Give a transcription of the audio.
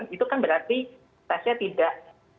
itu kan berarti tesnya tidak